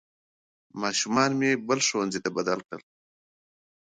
ماشومانو می بل ښونځې ته بدل کړل.